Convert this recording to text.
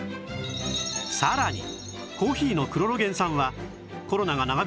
さらにコーヒーのクロロゲン酸はコロナが長引く